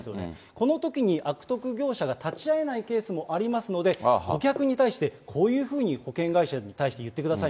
このときに悪徳業者が立ち会えないケースもありますので、顧客に対してこういうふうに保険会社に対して言ってください